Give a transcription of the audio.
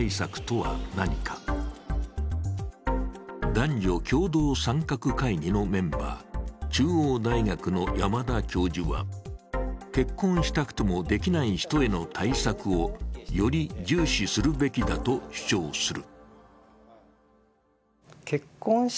男女共同参画会議のメンバー、中央大学の山田教授は結婚したくてもできない人への対策をより重視するべきだと主張する。